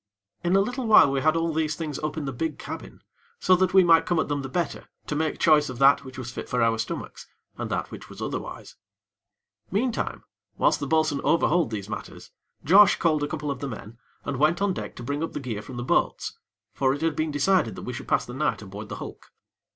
In a little while we had all these things up in the big cabin, so that we might come at them the better to make choice of that which was fit for our stomachs, and that which was otherwise. Meantime, whilst the bo'sun overhauled these matters, Josh called a couple of the men, and went on deck to bring up the gear from the boats, for it had been decided that we should pass the night aboard the hulk.